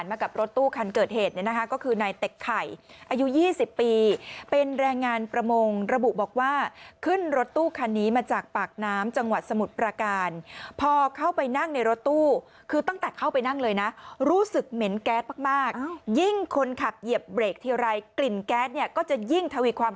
ไม่มีแรงเริ่มไม่มีแรง